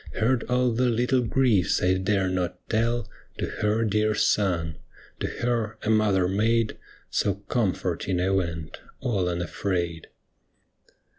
Heard all the little griefs I dare not tell To her dear Son. To her a mother maid So comforting I went, all unafraid.